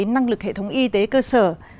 năng lực hệ thống y tế cơ sở